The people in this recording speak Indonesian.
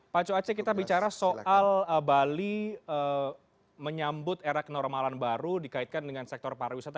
pak cuace kita bicara soal bali menyambut era kenormalan baru dikaitkan dengan sektor pariwisata